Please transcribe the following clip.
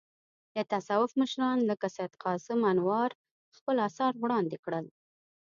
د تصوف مشران لکه سید قاسم انوار خپل اثار وړاندې کړل.